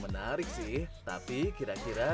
menarik sih tapi kira kira